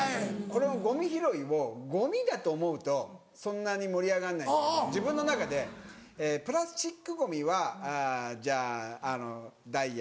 このゴミ拾いをゴミだと思うとそんなに盛り上がんないんだけど自分の中でプラスチックゴミはじゃあダイヤで。